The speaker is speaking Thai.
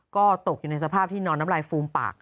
ก็ตกอยู่ในสภาพที่นอนน้ำลายฟูมปาก